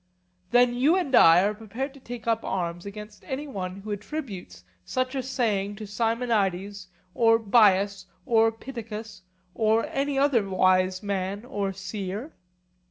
Then you and I are prepared to take up arms against any one who attributes such a saying to Simonides or Bias or Pittacus, or any other wise man or seer?